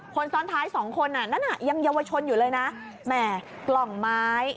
คนซ้อนท้าย๒คนนั้นยังเยาวชนอยู่เลยนะแหม่กล่องไม้